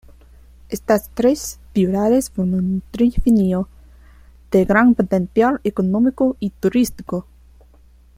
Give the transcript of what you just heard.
Estas tres ciudades forman un trifinio de gran potencial económico y turístico.